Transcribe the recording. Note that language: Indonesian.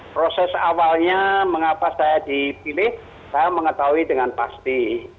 proses awalnya mengapa saya dipilih saya mengetahui dengan pasti